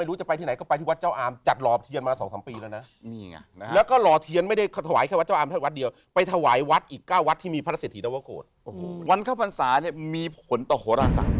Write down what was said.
วันข้าวบรรษาเนี่ยมีผลต่อโหระศาสตร์